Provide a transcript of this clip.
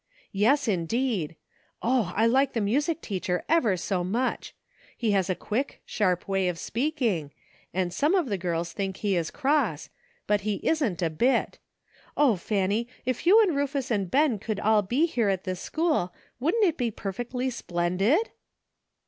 "Yes, indeed ! Oh ! I like the music teacher ever so much. He has a quick, sharp way of speaking, and some of the girls think he is cross ; but he isn't, a bit. O, Fanny ! if you 282 ENTERTAINING COMPANY. and Rufus and Ben could all be here at this school wouldn't it be perfectly splendid